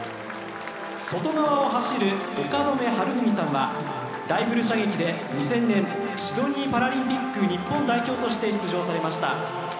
外側を走る岡留晴文さんはライフル射撃で、２０００年シドニーパラリンピック日本代表として出場されました。